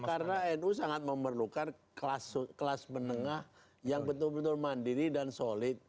karena nu sangat memerlukan kelas menengah yang betul betul mandiri dan solid